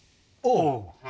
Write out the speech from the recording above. おう。